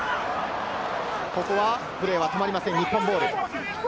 ここはプレーは止まりません、日本ボール。